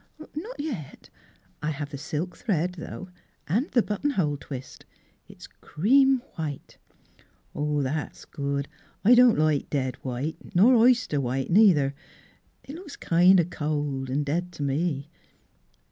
"" Not yet. I have the silk thread, though, and the button hole twist. It's cream white." " That's good. I don't like dead white, nor oyster white, neither. It looks kind o' cold an' dead t' me.